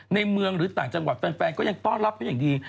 ในเมืองหรือต่างจังหวัดแฟนก็ยังต้อนรับเขาอย่างดี